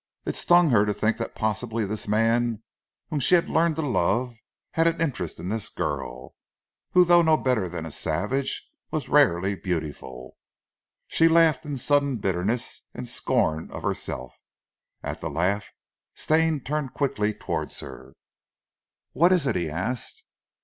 It stung her to think that possibly this man, whom she had learned to love, had an interest in this girl, who though no better than a savage was rarely beautiful. She laughed in sudden bitterness and scorn of herself, and at the laugh Stane turned quickly towards her. "What is it?" he asked.